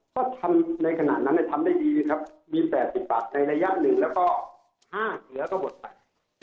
ก็ทำในขณะนั้นทำได้ดีครับมี๘๐บาทในระยะหนึ่งแล้วก็๕เสือก็หมดไป